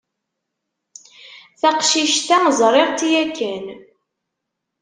Taqcict-a ẓriɣ-tt yakan.